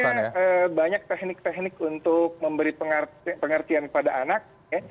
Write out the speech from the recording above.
dan juga sebetulnya banyak teknik teknik untuk memberi pengertian kepada anak